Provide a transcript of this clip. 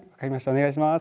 お願いします。